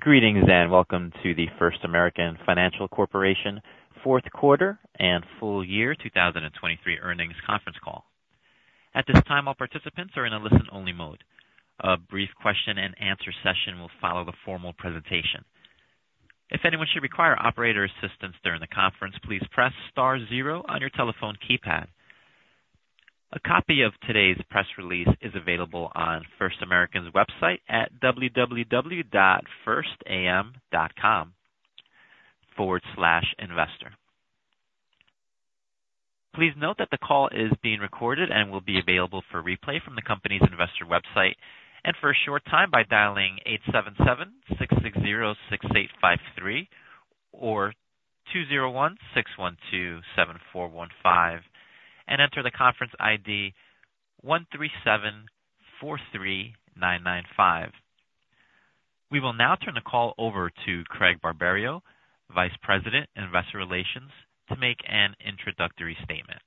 Greetings, and welcome to the First American Financial Corporation Fourth-Quarter and Full-Year 2023 Earnings Conference Call. At this time, all participants are in a listen-only mode. A brief question and answer session will follow the formal presentation. If anyone should require operator assistance during the conference, please press star zero on your telephone keypad. A copy of today's press release is available on First American's website at www.firstam.com/investor. Please note that the call is being recorded and will be available for replay from the company's investor website and for a short time by dialing 877-660-6853 or 201-612-7415 and enter the conference ID 13743995. We will now turn the call over to Craig Barberio, Vice President, Investor Relations, to make an introductory statement.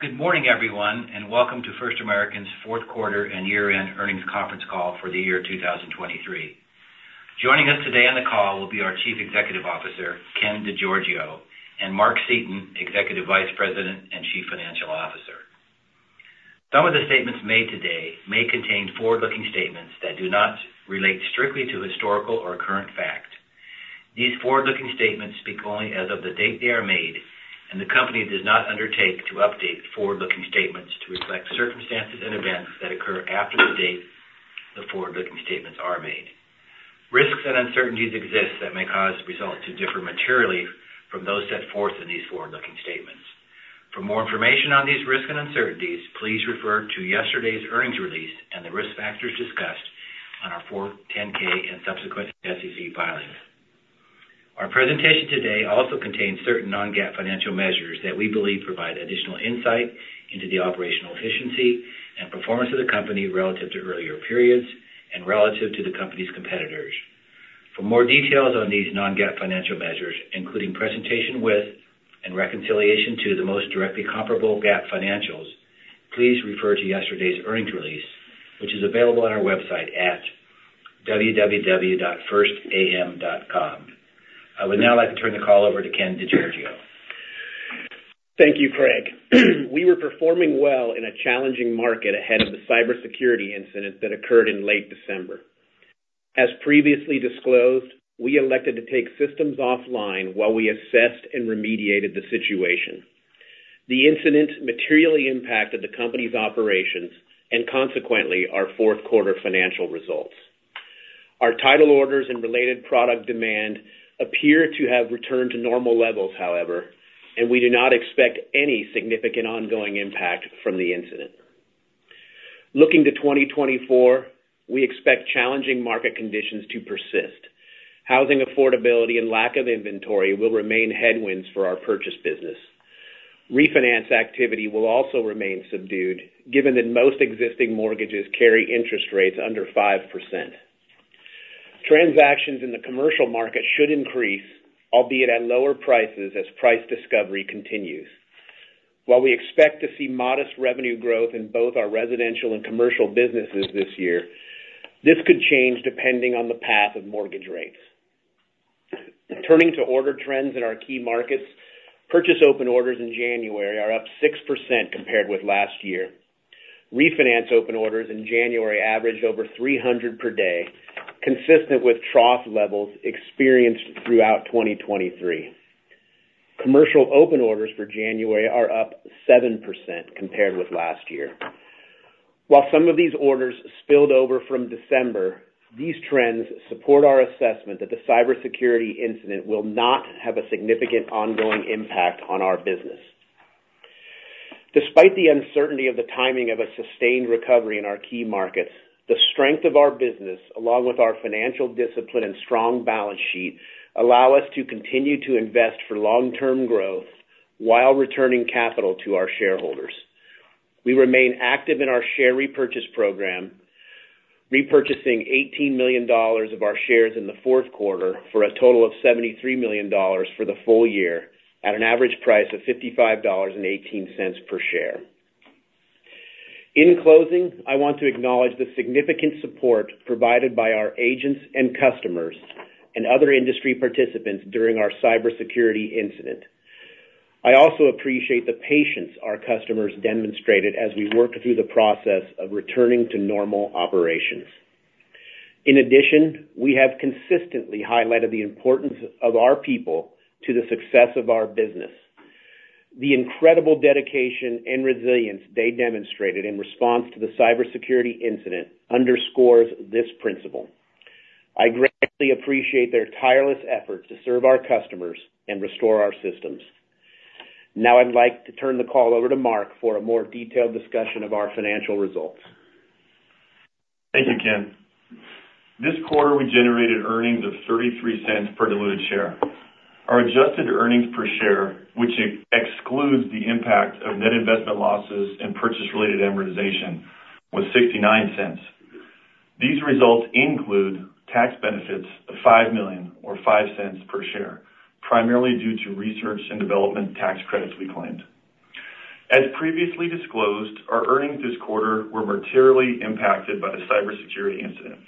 Good morning, everyone, and welcome to First American's fourth quarter and year-end earnings conference call for the year 2023. Joining us today on the call will be our Chief Executive Officer, Ken DeGiorgio, and Mark Seaton, Executive Vice President and Chief Financial Officer. Some of the statements made today may contain forward-looking statements that do not relate strictly to historical or current fact. These forward-looking statements speak only as of the date they are made, and the company does not undertake to update forward-looking statements to reflect circumstances and events that occur after the date the forward-looking statements are made. Risks and uncertainties exist that may cause results to differ materially from those set forth in these forward-looking statements. For more information on these risks and uncertainties, please refer to yesterday's earnings release and the risk factors discussed in our 10-K and subsequent SEC filings. Our presentation today also contains certain non-GAAP financial measures that we believe provide additional insight into the operational efficiency and performance of the company relative to earlier periods and relative to the company's competitors. For more details on these non-GAAP financial measures, including presentation with, and reconciliation to the most directly comparable GAAP financials, please refer to yesterday's earnings release, which is available on our website at www.firstam.com. I would now like to turn the call over to Ken DeGiorgio. Thank you, Craig. We were performing well in a challenging market ahead of the cybersecurity incident that occurred in late December. As previously disclosed, we elected to take systems offline while we assessed and remediated the situation. The incident materially impacted the company's operations and consequently our fourth quarter financial results. Our title orders and related product demand appear to have returned to normal levels, however, and we do not expect any significant ongoing impact from the incident. Looking to 2024, we expect challenging market conditions to persist. Housing affordability and lack of inventory will remain headwinds for our purchase business. Refinance activity will also remain subdued, given that most existing mortgages carry interest rates under 5%. Transactions in the commercial market should increase, albeit at lower prices, as price discovery continues. While we expect to see modest revenue growth in both our residential and commercial businesses this year, this could change depending on the path of mortgage rates. Turning to order trends in our key markets, purchase open orders in January are up 6% compared with last year. Refinance open orders in January averaged over 300 per day, consistent with trough levels experienced throughout 2023. Commercial open orders for January are up 7% compared with last year. While some of these orders spilled over from December, these trends support our assessment that the cybersecurity incident will not have a significant ongoing impact on our business. Despite the uncertainty of the timing of a sustained recovery in our key markets, the strength of our business, along with our financial discipline and strong balance sheet, allow us to continue to invest for long-term growth while returning capital to our shareholders. We remain active in our share repurchase program, repurchasing $18 million of our shares in the fourth quarter, for a total of $73 million for the full year, at an average price of $55.18 per share. In closing, I want to acknowledge the significant support provided by our agents and customers and other industry participants during our cybersecurity incident. I also appreciate the patience our customers demonstrated as we worked through the process of returning to normal operations. In addition, we have consistently highlighted the importance of our people to the success of our business. The incredible dedication and resilience they demonstrated in response to the cybersecurity incident underscores this principle. I greatly appreciate their tireless efforts to serve our customers and restore our systems. Now I'd like to turn the call over to Mark for a more detailed discussion of our financial results. Thank you, Ken. This quarter, we generated earnings of $0.33 per diluted share. Our adjusted earnings per share, which excludes the impact of net investment losses and purchase-related amortization, was $0.69. These results include tax benefits of $5 million or $0.05 per share, primarily due to research and development tax credits we claimed. As previously disclosed, our earnings this quarter were materially impacted by the cybersecurity incident.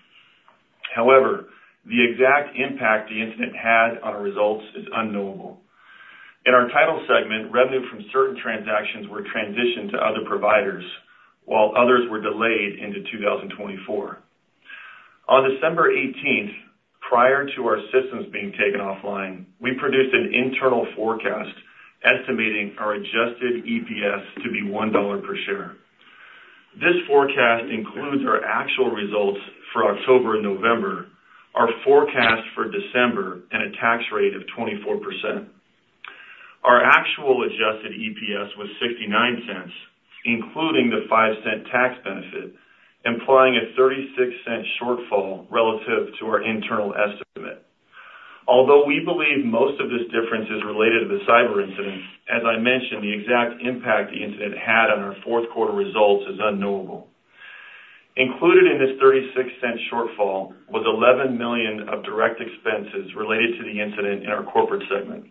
However, the exact impact the incident had on our results is unknowable. In our Title segment, revenue from certain transactions were transitioned to other providers, while others were delayed into 2024. On December 18th, prior to our systems being taken offline, we produced an internal forecast estimating our adjusted EPS to be $1 per share. This forecast includes our actual results for October and November, our forecast for December and a tax rate of 24%. Our actual adjusted EPS was $0.69, including the $0.05 tax benefit, implying a $0.36 shortfall relative to our internal estimate. Although we believe most of this difference is related to the cyber incident, as I mentioned, the exact impact the incident had on our fourth quarter results is unknowable. Included in this $0.36 shortfall was $11 million of direct expenses related to the incident in our Corporate segment.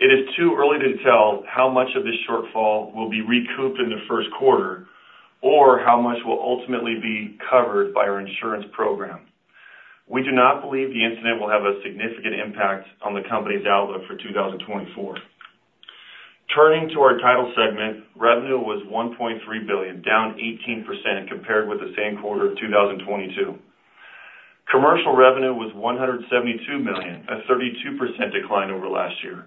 It is too early to tell how much of this shortfall will be recouped in the first quarter or how much will ultimately be covered by our insurance program. We do not believe the incident will have a significant impact on the company's outlook for 2024. Turning to our Title segment, revenue was $1.3 billion, down 18% compared with the same quarter of 2022. Commercial revenue was $172 million, a 32% decline over last year.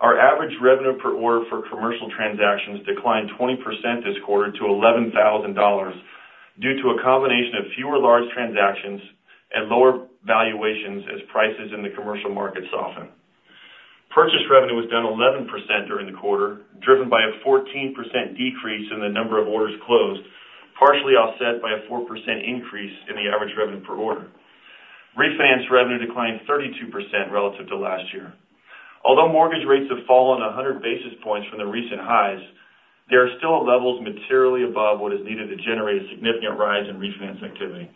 Our average revenue per order for commercial transactions declined 20% this quarter to $11,000, due to a combination of fewer large transactions and lower valuations as prices in the commercial market soften. Purchase revenue was down 11% during the quarter, driven by a 14% decrease in the number of orders closed, partially offset by a 4% increase in the average revenue per order. Refinance revenue declined 32% relative to last year. Although mortgage rates have fallen 100 basis points from the recent highs, they are still at levels materially above what is needed to generate a significant rise in refinance activity.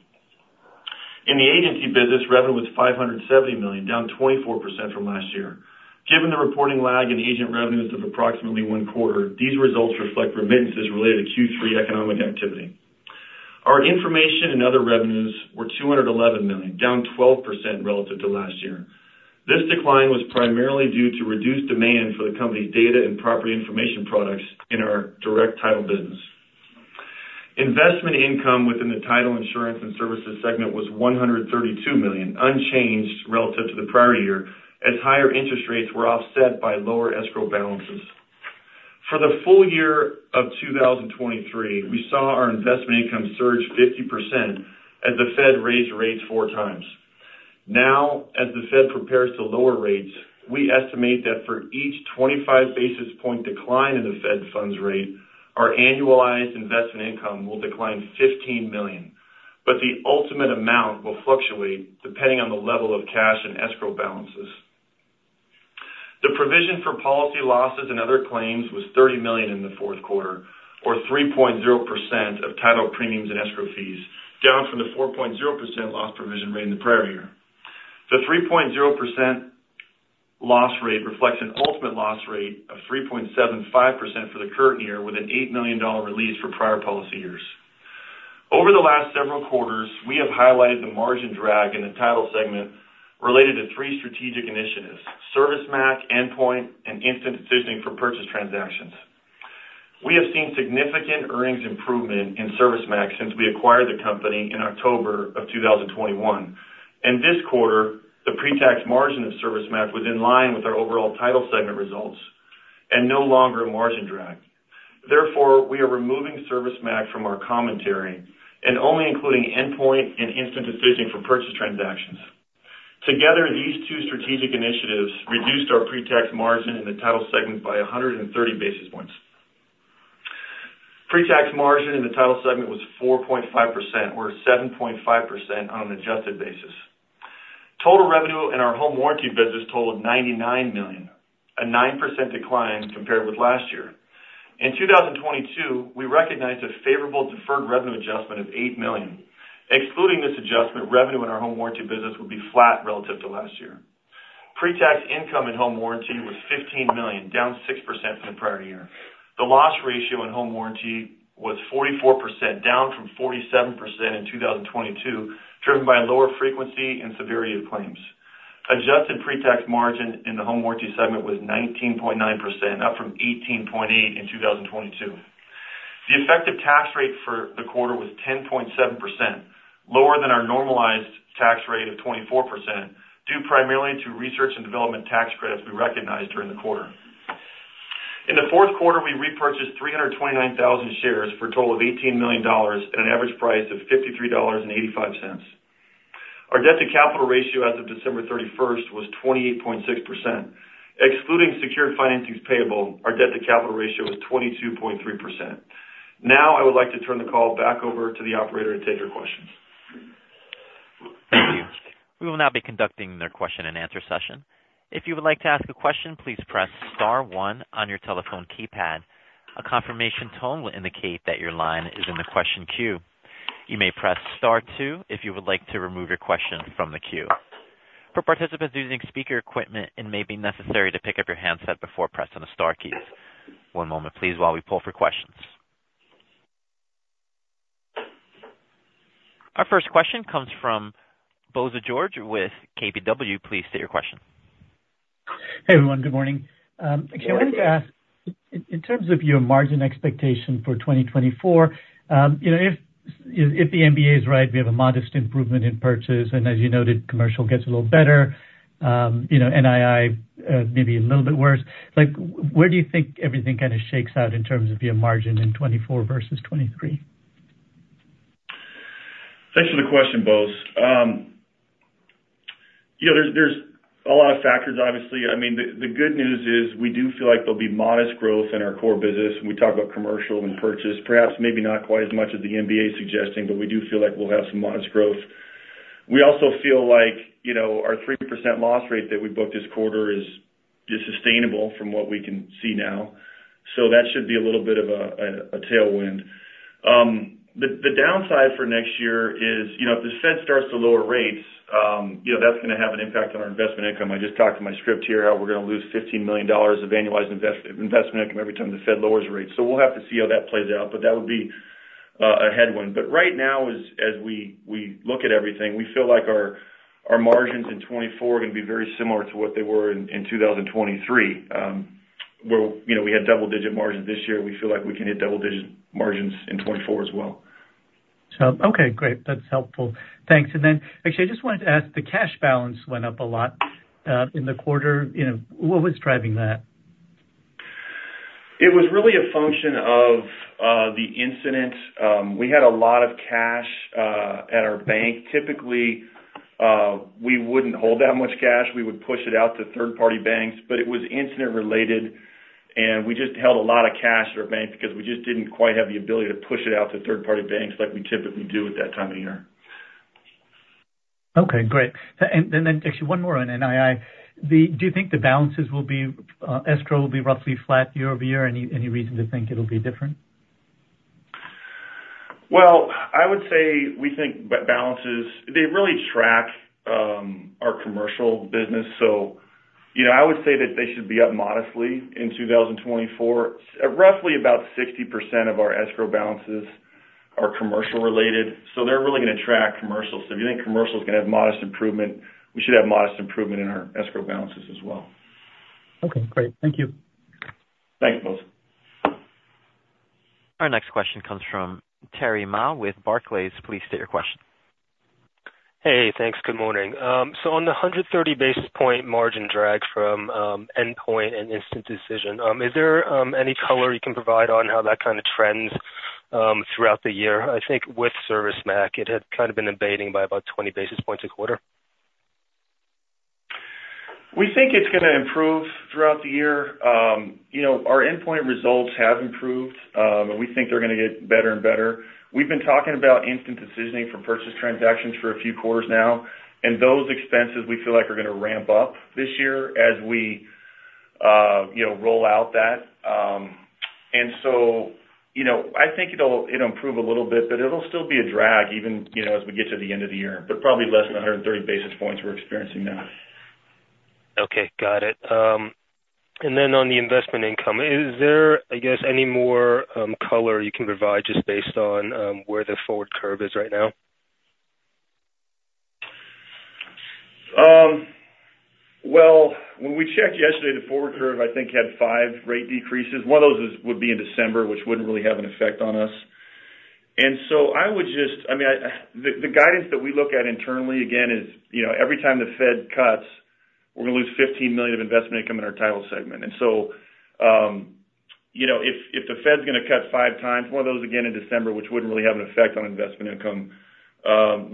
In the agency business, revenue was $570 million, down 24% from last year. Given the reporting lag in agent revenues of approximately one quarter, these results reflect remittances related to Q3 economic activity. Our information and other revenues were $211 million, down 12% relative to last year. This decline was primarily due to reduced demand for the company's data and property information products in our direct title business. Investment income within the Title Insurance and Services segment was $132 million, unchanged relative to the prior year, as higher interest rates were offset by lower escrow balances. For the full year of 2023, we saw our investment income surge 50% as the Fed raised rates four times. Now, as the Fed prepares to lower rates, we estimate that for each 25 basis point decline in the Fed funds rate, our annualized investment income will decline $15 million. But the ultimate amount will fluctuate depending on the level of cash and escrow balances. The provision for policy losses and other claims was $30 million in the fourth quarter, or 3.0% of title premiums and escrow fees, down from the 4.0% loss provision rate in the prior year. The 3.0% loss rate reflects an ultimate loss rate of 3.75% for the current year, with an $8 million release for prior policy years. Over the last several quarters, we have highlighted the margin drag in the Title segment related to three strategic initiatives: ServiceMac, Endpoint, and instant decisioning for purchase transactions. We have seen significant earnings improvement in ServiceMac since we acquired the company in October 2021. In this quarter, the pre-tax margin of ServiceMac was in line with our overall Title segment results and no longer a margin drag. Therefore, we are removing ServiceMac from our commentary and only including Endpoint and instant decisioning for purchase transactions. Together, these two strategic initiatives reduced our pre-tax margin in the Title segment by 130 basis points. Pre-tax margin in the Title segment was 4.5%, or 7.5% on an adjusted basis. Total revenue in our home warranty business totaled $99 million, a 9% decline compared with last year. In 2022, we recognized a favorable deferred revenue adjustment of $8 million. Excluding this adjustment, revenue in our home warranty business would be flat relative to last year. Pre-tax income in home warranty was $15 million, down 6% from the prior year. The loss ratio in home warranty was 44%, down from 47% in 2022, driven by lower frequency and severity of claims. Adjusted pre-tax margin in the Home Warranty segment was 19.9%, up from 18.8% in 2022. The effective tax rate for the quarter was 10.7%, lower than our normalized tax rate of 24%, due primarily to research and development tax credits we recognized during the quarter. In the fourth quarter, we repurchased 329,000 shares for a total of $18 million at an average price of $53.85. Our debt to capital ratio as of December 31st was 28.6%. Excluding secured financings payable, our debt to capital ratio was 22.3%. Now, I would like to turn the call back over to the operator to take your questions. Thank you. We will now be conducting the question and answer session. If you would like to ask a question, please press star one on your telephone keypad. A confirmation tone will indicate that your line is in the question queue. You may press star two if you would like to remove your question from the queue. For participants using speaker equipment, it may be necessary to pick up your handset before pressing the star key. One moment, please, while we pull for questions. Our first question comes from Bose George with KBW. Please state your question. Hey, everyone. Good morning. Actually, I wanted to ask, in terms of your margin expectation for 2024, you know, if the MBA is right, we have a modest improvement in purchase, and as you noted, commercial gets a little better, you know, NII maybe a little bit worse. Like, where do you think everything kind of shakes out in terms of your margin in 2024 versus 2023? Thanks for the question, Bose. You know, there’s a lot of factors, obviously. I mean, the good news is we do feel like there’ll be modest growth in our core business when we talk about commercial and purchase. Perhaps maybe not quite as much as the MBA is suggesting, but we do feel like we’ll have some modest growth. We also feel like, you know, our 3% loss rate that we booked this quarter is sustainable from what we can see now. So that should be a little bit of a tailwind. The downside for next year is, you know, if the Fed starts to lower rates, you know, that’s gonna have an impact on our investment income. I just talked to my script here, how we're gonna lose $15 million of annualized investment income every time the Fed lowers rates. So we'll have to see how that plays out, but that would be a headwind. But right now, as we look at everything, we feel like our margins in 2024 are gonna be very similar to what they were in 2023. Where, you know, we had double-digit margins this year, we feel like we can hit double-digit margins in 2024 as well. So, okay, great. That's helpful. Thanks. And then, actually, I just wanted to ask, the cash balance went up a lot in the quarter. You know, what was driving that? It was really a function of the incident. We had a lot of cash at our bank. Typically, we wouldn't hold that much cash. We would push it out to third-party banks, but it was incident related, and we just held a lot of cash at our bank because we just didn't quite have the ability to push it out to third-party banks like we typically do at that time of year. Okay, great. And then actually one more on NII. Do you think the balances will be, escrow will be roughly flat year-over-year? Any reason to think it'll be different? Well, I would say we think balances, they really track, our commercial business. So, you know, I would say that they should be up modestly in 2024. Roughly about 60% of our escrow balances are commercial related. So they're really gonna track commercial. So if you think commercial is gonna have modest improvement, we should have modest improvement in our escrow balances as well. Okay, great. Thank you. Thanks, Bose. Our next question comes from Terry Ma with Barclays. Please state your question. Hey, thanks. Good morning. So on the 130 basis point margin drag from Endpoint and instant decision, is there any color you can provide on how that kind of trends throughout the year? I think with ServiceMac, it had kind of been abating by about 20 basis points a quarter. We think it's gonna improve throughout the year. You know, our Endpoint results have improved, and we think they're gonna get better and better. We've been talking about instant decisioning for purchase transactions for a few quarters now, and those expenses we feel like are gonna ramp up this year as we, you know, roll out that. And so, you know, I think it'll, it'll improve a little bit, but it'll still be a drag, even, you know, as we get to the end of the year, but probably less than 130 basis points we're experiencing now. Okay, got it. Then on the investment income, is there, I guess, any more color you can provide just based on where the forward curve is right now? Well, when we checked yesterday, the forward curve I think had five rate decreases. One of those would be in December, which wouldn't really have an effect on us. And so I would just I mean, the guidance that we look at internally, again, is, you know, every time the Fed cuts, we're gonna lose $15 million of investment income in our Title segment. And so, you know, if the Fed's gonna cut five times, one of those again in December, which wouldn't really have an effect on investment income,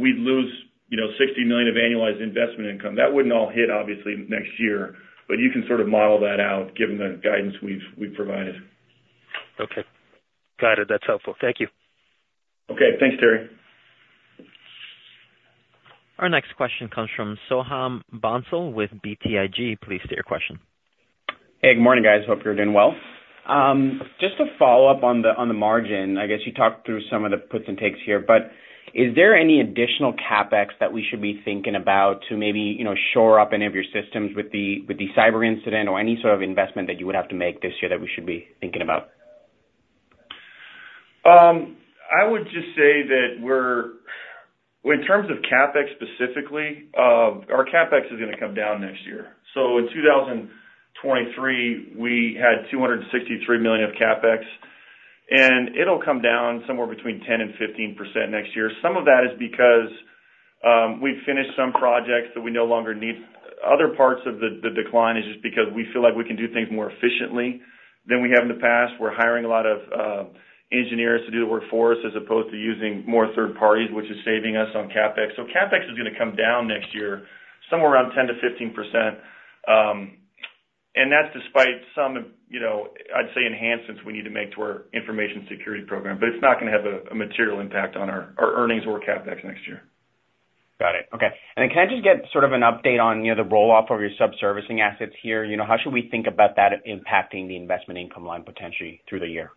we'd lose, you know, $60 million of annualized investment income. That wouldn't all hit, obviously, next year, but you can sort of model that out given the guidance we've provided. Okay, got it. That's helpful. Thank you. Okay. Thanks, Terry. Our next question comes from Soham Bhonsle with BTIG. Please state your question. Hey, good morning, guys. Hope you're doing well. Just to follow up on the margin, I guess you talked through some of the puts and takes here. But is there any additional CapEx that we should be thinking about to maybe, you know, shore up any of your systems with the cyber incident or any sort of investment that you would have to make this year that we should be thinking about? I would just say that we're in terms of CapEx specifically, our CapEx is gonna come down next year. So in 2023, we had $263 million of CapEx, and it'll come down somewhere between 10%-15% next year. Some of that is because we've finished some projects that we no longer need. Other parts of the decline is just because we feel like we can do things more efficiently than we have in the past. We're hiring a lot of engineers to do the work for us, as opposed to using more third parties, which is saving us on CapEx. So CapEx is gonna come down next year, somewhere around 10%-15%, and that's despite some, you know, I'd say, enhancements we need to make to our information security program, but it's not gonna have a material impact on our earnings or CapEx next year. Got it. Okay. And then can I just get sort of an update on, you know, the roll-off of your sub-servicing assets here? You know, how should we think about that impacting the investment income line potentially through the year?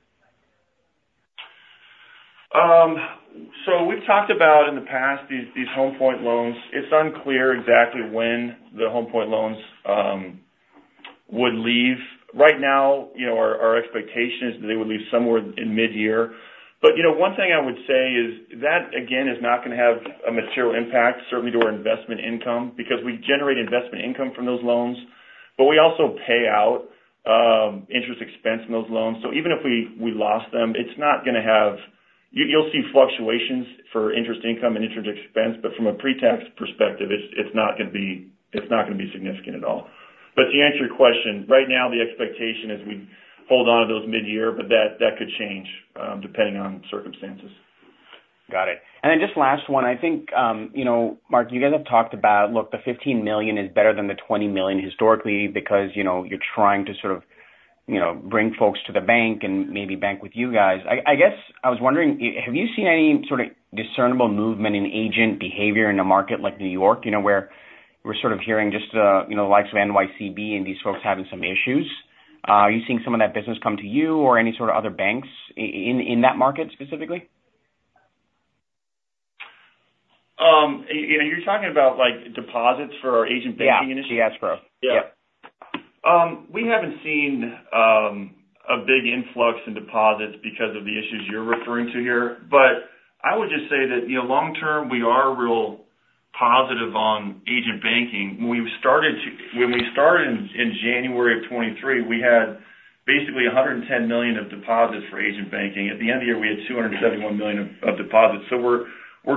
So we've talked about in the past, these, these Homepoint loans. It's unclear exactly when the Homepoint loans would leave. Right now, you know, our, our expectation is that they would leave somewhere in mid-year. But, you know, one thing I would say is that, again, is not gonna have a material impact, certainly to our investment income, because we generate investment income from those loans, but we also pay out interest expense on those loans. So even if we, we lost them, it's not gonna have. You, you'll see fluctuations for interest income and interest expense, but from a pre-tax perspective, it's, it's not gonna be, it's not gonna be significant at all. But to answer your question, right now, the expectation is we hold onto those mid-year, but that, that could change depending on circumstances. Got it. Then just last one, I think, you know, Mark, you guys have talked about, look, the $15 million is better than the $20 million historically, because, you know, you're trying to sort of, you know, bring folks to the bank and maybe bank with you guys. I guess I was wondering, have you seen any sort of discernible movement in agent behavior in a market like New York, you know, where we're sort of hearing just, you know, the likes of NYCB and these folks having some issues? Are you seeing some of that business come to you or any sort of other banks in that market specifically? You know, you're talking about, like, deposits for our agent banking industry? Yeah, yes, bro. Yeah. Yep. We haven't seen a big influx in deposits because of the issues you're referring to here. But I would just say that, you know, long term, we are real positive on agent banking. When we started in January of 2023, we had basically $110 million of deposits for agent banking. At the end of the year, we had $271 million of deposits. So we're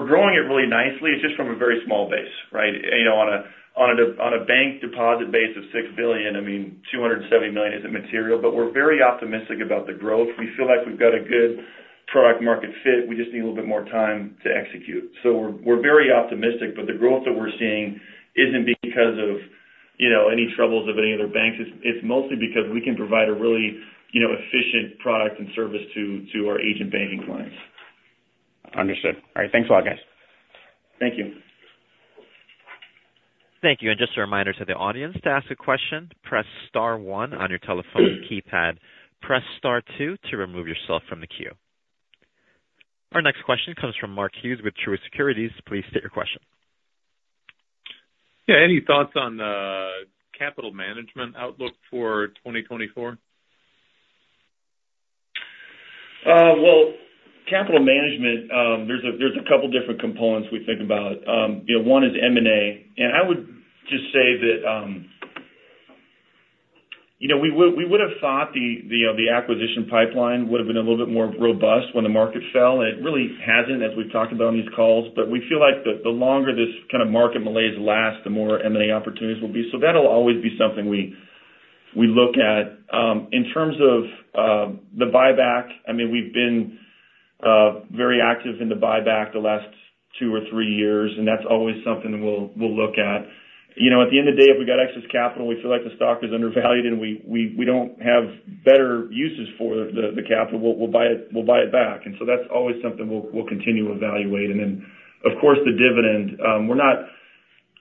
growing it really nicely. It's just from a very small base, right? You know, on a bank deposit base of $6 billion, I mean, $271 million isn't material, but we're very optimistic about the growth. We feel like we've got a good product market fit. We just need a little bit more time to execute. So we're very optimistic, but the growth that we're seeing isn't because of, you know, any troubles of any other banks. It's mostly because we can provide a really, you know, efficient product and service to our agent banking clients. Understood. All right. Thanks a lot, guys. Thank you. Thank you, and just a reminder to the audience, to ask a question, press star one on your telephone keypad. Press star two to remove yourself from the queue. Our next question comes from Mark Hughes with Truist Securities. Please state your question. Yeah, any thoughts on capital management outlook for 2024? Well, capital management, there's a couple different components we think about. You know, one is M&A, and I would just say that, you know, we would have thought the acquisition pipeline would have been a little bit more robust when the market fell, and it really hasn't, as we've talked about on these calls. But we feel like the longer this kind of market malaise lasts, the more M&A opportunities will be. So that'll always be something we look at. In terms of the buyback, I mean, we've been very active in the buyback the last two or three years, and that's always something we'll look at. You know, at the end of the day, if we got excess capital, we feel like the stock is undervalued and we don't have better uses for the capital, we'll buy it back. And so that's always something we'll continue to evaluate. And then, of course, the dividend. We're not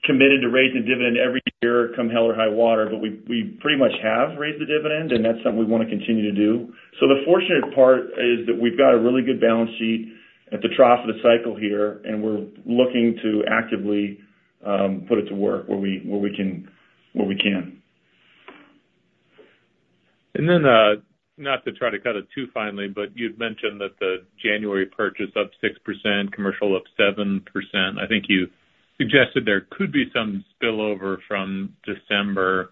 committed to raise the dividend every year, come hell or high water, but we pretty much have raised the dividend, and that's something we want to continue to do. So the fortunate part is that we've got a really good balance sheet at the trough of the cycle here, and we're looking to actively put it to work where we can. And then, not to try to cut it too finely, but you'd mentioned that the January purchase up 6%, commercial up 7%. I think you suggested there could be some spillover from December.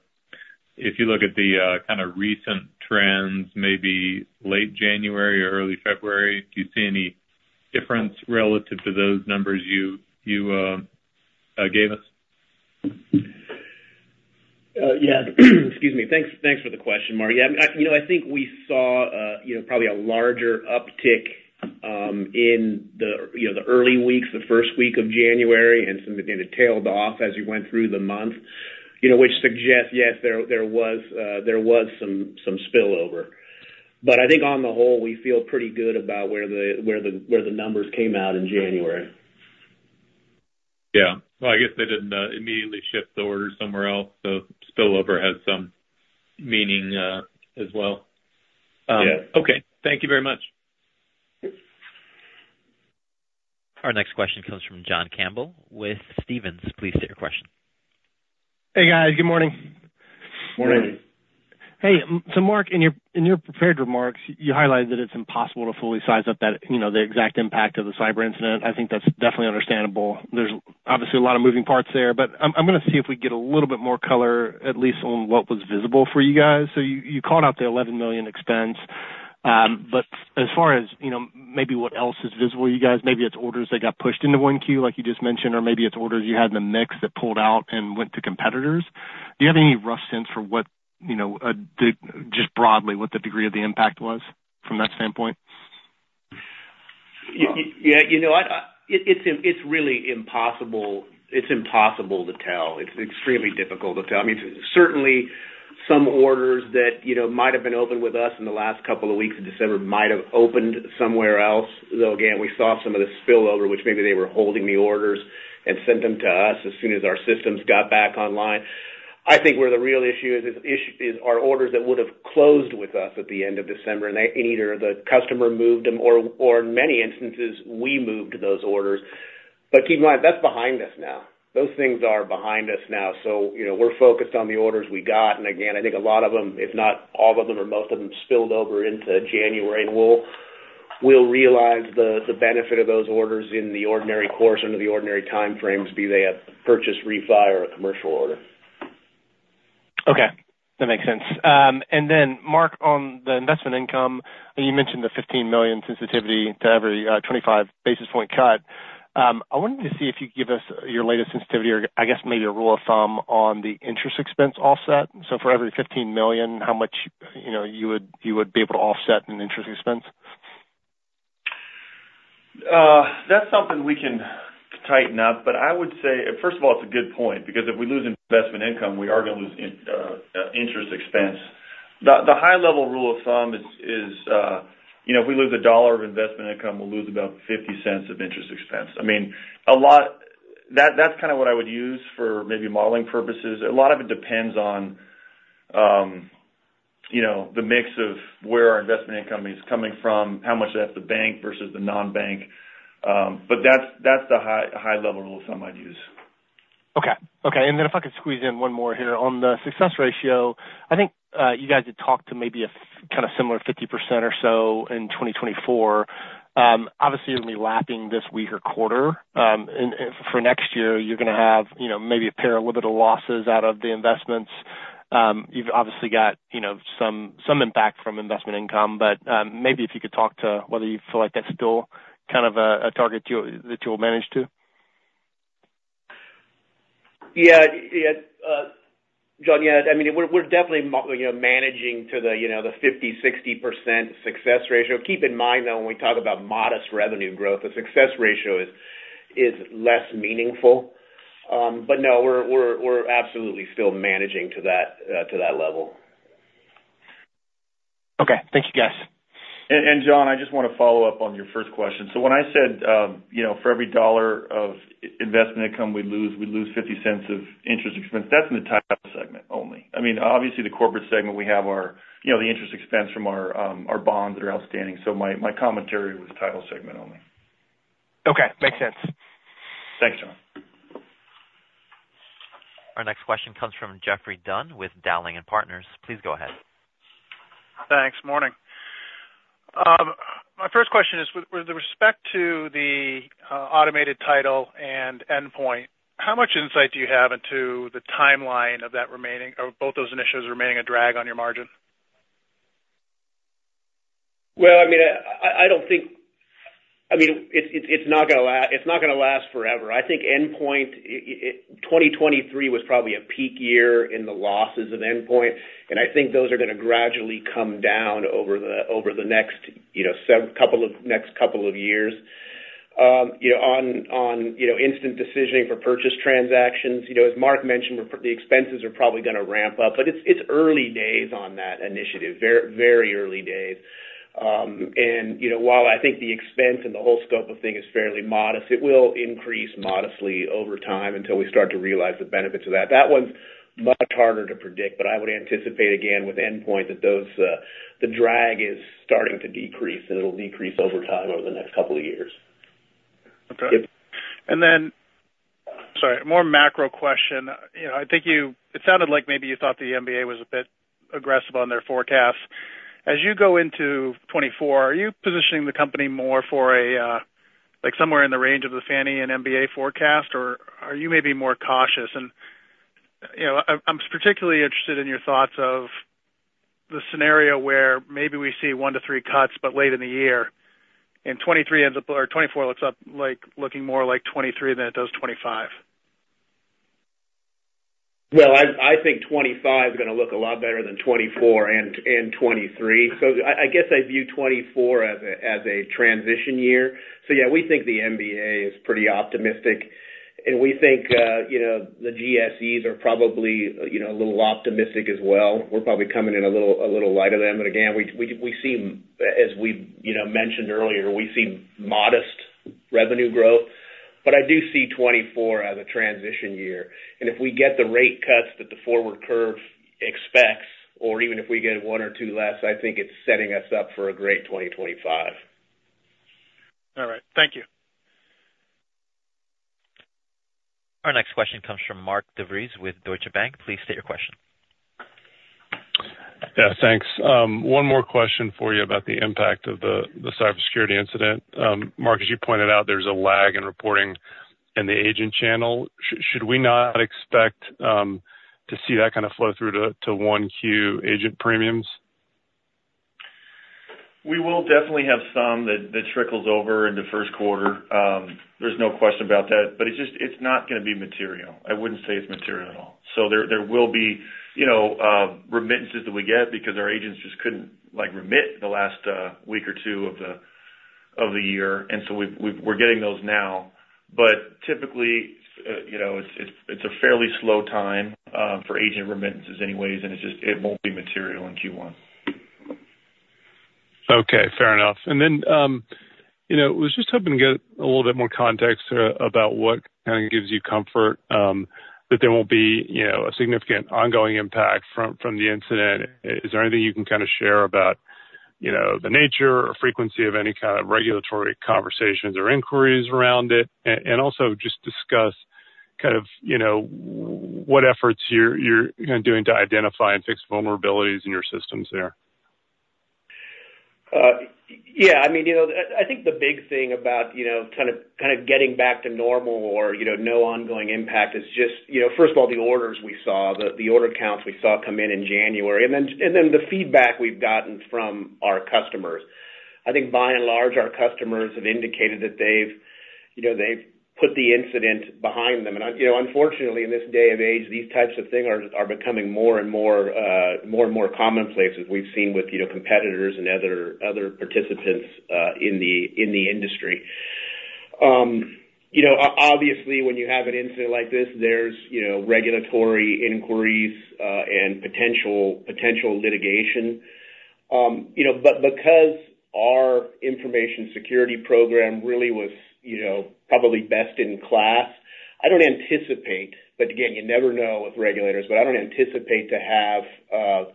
If you look at the kind of recent trends, maybe late January or early February, do you see any difference relative to those numbers you gave us? Yeah. Excuse me. Thanks, thanks for the question, Mark. Yeah, you know, I think we saw you know, probably a larger uptick in the you know, the early weeks, the first week of January, and it tailed off as you went through the month, you know, which suggests yes, there was some spillover. But I think on the whole, we feel pretty good about where the numbers came out in January. Yeah. Well, I guess they didn't immediately shift the order somewhere else, so spillover has some meaning, as well. Yeah. Okay. Thank you very much. Our next question comes from John Campbell with Stephens. Please state your question. Hey, guys. Good morning. Morning. Hey, so Mark, in your prepared remarks, you highlighted that it's impossible to fully size up that, you know, the exact impact of the cyber incident. I think that's definitely understandable. There's obviously a lot of moving parts there, but I'm gonna see if we can get a little bit more color, at least on what was visible for you guys. So you called out the $11 million expense. But as far as, you know, maybe what else is visible to you guys, maybe it's orders that got pushed into 1Q, like you just mentioned, or maybe it's orders you had in the mix that pulled out and went to competitors. Do you have any rough sense for what, you know, the just broadly, what the degree of the impact was from that standpoint? Yeah, you know, I... It's really impossible, it's impossible to tell. It's extremely difficult to tell. I mean, certainly some orders that, you know, might have been opened with us in the last couple of weeks of December might have opened somewhere else, though again, we saw some of the spillover, which maybe they were holding the orders and sent them to us as soon as our systems got back online. I think where the real issue is our orders that would have closed with us at the end of December, and either the customer moved them or in many instances, we moved those orders. But keep in mind, that's behind us now. Those things are behind us now. So, you know, we're focused on the orders we got. And again, I think a lot of them, if not all of them or most of them, spilled over into January. And we'll realize the benefit of those orders in the ordinary course, under the ordinary time frames, be they a purchase refi or a commercial order. Okay, that makes sense. And then Mark, on the investment income, and you mentioned the $15 million sensitivity to every 25 basis point cut. I wanted to see if you'd give us your latest sensitivity or I guess maybe a rule of thumb on the interest expense offset. So for every $15 million, how much, you know, you would, you would be able to offset in interest expense? That's something we can tighten up. But I would say, first of all, it's a good point, because if we lose investment income, we are gonna lose interest expense. The high level rule of thumb is, you know, if we lose $1 of investment income, we'll lose about $0.50 of interest expense. I mean, that's kind of what I would use for maybe modeling purposes. A lot of it depends on, you know, the mix of where our investment income is coming from, how much that's the bank versus the non-bank. But that's the high level rule of thumb I'd use. Okay. Okay, and then if I could squeeze in one more here. On the success ratio, I think you guys had talked to maybe a kind of similar 50% or so in 2024. Obviously, you're gonna be lapping this weaker quarter, and for next year, you're gonna have, you know, maybe a pair of little bit of losses out of the investments. You've obviously got, you know, some impact from investment income, but maybe if you could talk to whether you feel like that's still kind of a target that you'll manage to? Yeah. Yeah, John, yeah, I mean, we're definitely, you know, managing to the, you know, the 50%-60% success ratio. Keep in mind, though, when we talk about modest revenue growth, the success ratio is less meaningful. But no, we're absolutely still managing to that, to that level. Okay. Thank you, guys. And John, I just want to follow up on your first question. So when I said, you know, for every $1 of investment income we lose, we lose $0.50 of interest expense, that's in the Title segment only. I mean, obviously, the Corporate segment, we have our, you know, the interest expense from our our bonds that are outstanding. So my commentary was Title segment only. Okay. Makes sense. Thanks, John. Our next question comes from Geoffrey Dunn with Dowling & Partners. Please go ahead. Thanks. Morning. My first question is, with, with respect to the, automated title and Endpoint, how much insight do you have into the timeline of that remaining—of both those initiatives remaining a drag on your margin? Well, I mean, I don't think, I mean, it's not gonna last forever. I think Endpoint, 2023 was probably a peak year in the losses of Endpoint, and I think those are gonna gradually come down over the next couple of years. You know, on instant decisioning for purchase transactions, you know, as Mark mentioned, the expenses are probably gonna ramp up, but it's early days on that initiative, very early days. And, you know, while I think the expense and the whole scope of thing is fairly modest, it will increase modestly over time until we start to realize the benefits of that. That one's much harder to predict, but I would anticipate, again, with Endpoint, that those, the drag is starting to decrease, and it'll decrease over time over the next couple of years. Okay. And then, sorry, more macro question. You know, I think you-- it sounded like maybe you thought the MBA was a bit aggressive on their forecast. As you go into 2024, are you positioning the company more for a, like somewhere in the range of the Fannie and MBA forecast, or are you maybe more cautious? And, you know, I'm, I'm particularly interested in your thoughts of the scenario where maybe we see one to three cuts, but late in the year, and 2023 ends up or 2024 looks up, like, looking more like 2023 than it does 2025. Well, I think 2025 is gonna look a lot better than 2024 and 2023. So I guess I view 2024 as a transition year. So yeah, we think the MBA is pretty optimistic. And we think, you know, the GSEs are probably, you know, a little optimistic as well. We're probably coming in a little lighter than them, but again, we seem, as we, you know, mentioned earlier, we see modest revenue growth. But I do see 2024 as a transition year, and if we get the rate cuts that the forward curve expects, or even if we get one or two less, I think it's setting us up for a great 2025. All right. Thank you. Our next question comes from Mark DeVries with Deutsche Bank. Please state your question. Yeah, thanks. One more question for you about the impact of the cybersecurity incident. Mark, as you pointed out, there's a lag in reporting in the agent channel. Should we not expect to see that kind of flow through to 1Q agent premiums? We will definitely have some that trickles over in the first quarter. There's no question about that, but it's just, it's not gonna be material. I wouldn't say it's material at all. So there will be, you know, remittances that we get because our agents just couldn't, like, remit the last week or two of the year, and so we're getting those now. But typically, you know, it's a fairly slow time for agent remittances anyways, and it's just, it won't be material in Q1. Okay, fair enough. And then, you know, was just hoping to get a little bit more context about what kind of gives you comfort that there won't be, you know, a significant ongoing impact from the incident. Is there anything you can kind of share about, you know, the nature or frequency of any kind of regulatory conversations or inquiries around it? And also just discuss kind of, you know, what efforts you're kind of doing to identify and fix vulnerabilities in your systems there. Yeah, I mean, you know, I think the big thing about, you know, kind of getting back to normal or, you know, no ongoing impact is just, you know, first of all, the orders we saw, the order counts we saw come in in January, and then the feedback we've gotten from our customers. I think by and large, our customers have indicated that they've you know, put the incident behind them. Unfortunately, in this day and age, these types of things are becoming more and more commonplace, as we've seen with, you know, competitors and other participants in the industry. Obviously, when you have an incident like this, there's you know, regulatory inquiries and potential litigation. You know, but because our information security program really was, you know, probably best in class, I don't anticipate, but again, you never know with regulators. But I don't anticipate to have,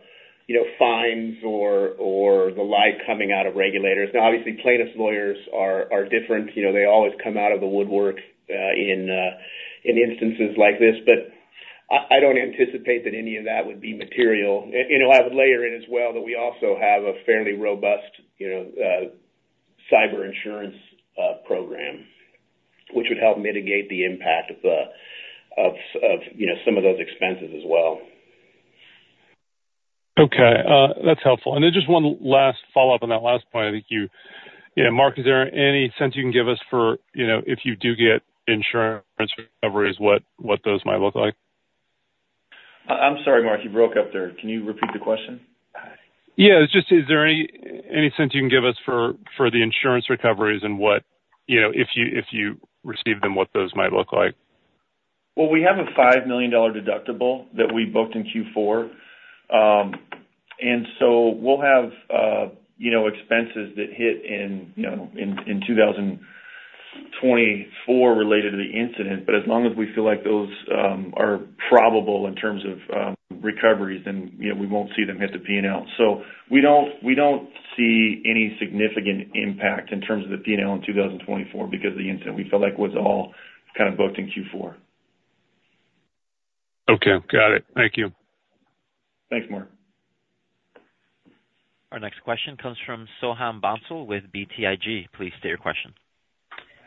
you know, fines or, or the like coming out of regulators. Now, obviously, plaintiffs' lawyers are different, you know, they always come out of the woodwork in instances like this, but I don't anticipate that any of that would be material. And, you know, I would layer in as well, that we also have a fairly robust, you know, cyber insurance program, which would help mitigate the impact of the, you know, some of those expenses as well. Okay, that's helpful. And then just one last follow-up on that last point, I think you... Yeah, Mark, is there any sense you can give us for, you know, if you do get insurance recoveries, what, what those might look like? I'm sorry, Mark, you broke up there. Can you repeat the question? Yeah, it's just, is there any sense you can give us for the insurance recoveries and what, you know, if you receive them, what those might look like? Well, we have a $5 million deductible that we booked in Q4. And so we'll have, you know, expenses that hit in, you know, in 2024 related to the incident. But as long as we feel like those are probable in terms of recoveries, then, you know, we won't see them hit the P&L. So we don't see any significant impact in terms of the P&L in 2024, because the incident we feel like was all kind of booked in Q4. Okay, got it. Thank you. Thanks, Mark. Our next question comes from Soham Bhonsle with BTIG. Please state your question.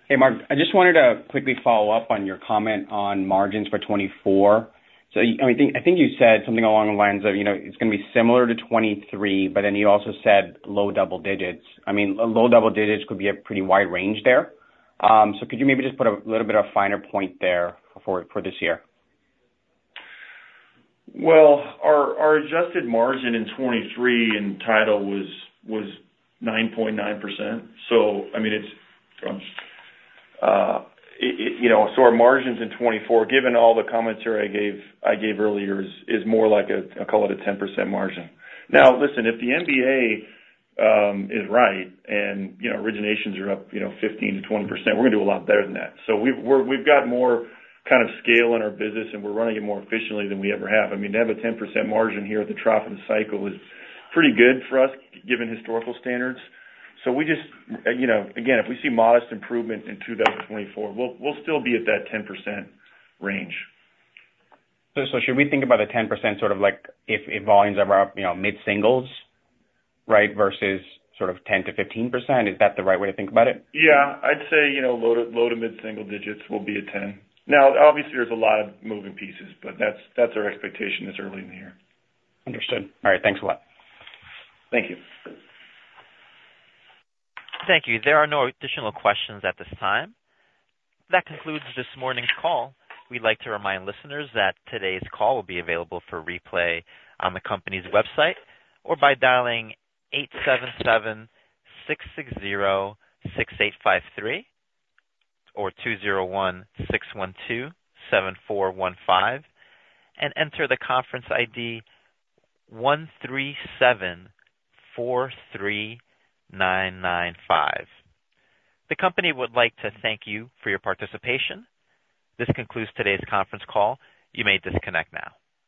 Hey, Mark, I just wanted to quickly follow up on your comment on margins for 2024. So, I think, I think you said something along the lines of, you know, it's gonna be similar to 2023, but then you also said low double digits. I mean, low double digits could be a pretty wide range there. So could you maybe just put a little bit of finer point there for, for this year? Well, our adjusted margin in 2023 in Title was 9.9%. So I mean, it's... You know, so our margins in 2024, given all the commentary I gave earlier, is more like a, I'll call it a 10% margin. Now, listen, if the MBA is right and, you know, originations are up, you know, 15%-20%, we're gonna do a lot better than that. So we've got more kind of scale in our business, and we're running it more efficiently than we ever have. I mean, to have a 10% margin here at the trough of the cycle is pretty good for us, given historical standards. So we just, you know, again, if we see modest improvement in 2024, we'll still be at that 10% range. So, should we think about the 10% sort of like if volumes are up, you know, mid-singles, right, versus sort of 10%-15%? Is that the right way to think about it? Yeah, I'd say, you know, low to, low to mid-single digits will be a 10. Now, obviously, there's a lot of moving pieces, but that's, that's our expectation this early in the year. Understood. All right. Thanks a lot. Thank you. Thank you. There are no additional questions at this time. That concludes this morning's call. We'd like to remind listeners that today's call will be available for replay on the company's website, or by dialing 877-660-6853, or 201-612-7415, and enter the conference ID 13743995. The company would like to thank you for your participation. This concludes today's conference call. You may disconnect now.